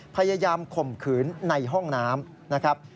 พยายามข่มขืนในห้องน้ำ